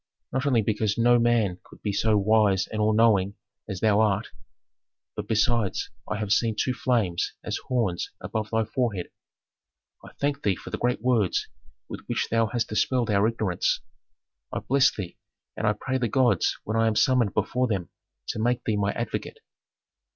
Not only because no man could be so wise and all knowing as thou art, but besides I have seen two flames, as horns, above thy forehead. I thank thee for the great words with which thou hast dispelled our ignorance. I bless thee, and I pray the gods when I am summoned before them to make thee my advocate."